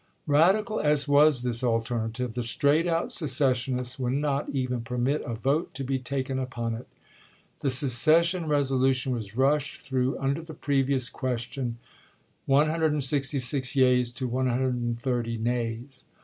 Radical as was this alternative, the straight out secessionists would not even permit a vote to be taken upon it. The secession resolution was rushed through under the previous question, 166 yeas to 130 nays.